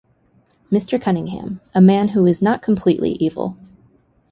Mr. Cunningham: A man who is not completely evil.